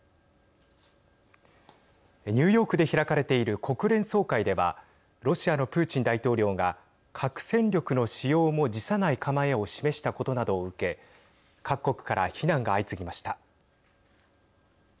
ニューヨークで開かれている国連総会ではロシアのプーチン大統領が核戦力の使用も辞さない構えを示したことなどを受け各国から非難が相次ぎました。